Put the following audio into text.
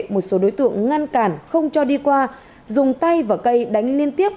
một số đối tượng ngăn cản không cho đi qua dùng tay và cây đánh liên tiếp